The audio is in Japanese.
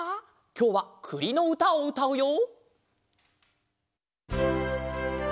きょうはくりのうたをうたうよ。